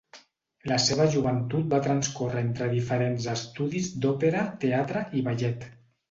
La seva joventut va transcórrer entre diferents estudis d’òpera, teatre i ballet.